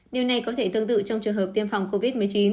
điều này có thể tương tự trong trường hợp tiêm phòng covid một mươi chín